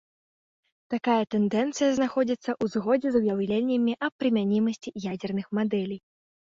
Такая тэндэнцыя знаходзіцца ў згодзе з уяўленнямі аб прымянімасці ядзерных мадэлей.